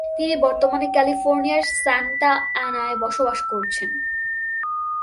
তিনি বর্তমানে ক্যালিফোর্নিয়ার সান্তা অ্যানায় বসবাস করছেন।